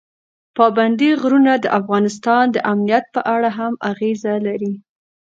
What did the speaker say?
پابندی غرونه د افغانستان د امنیت په اړه هم اغېز لري.